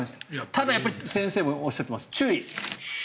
ただ、先生もおっしゃってます注意。